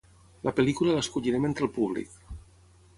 la pel·lícula l'escollirem entre el públic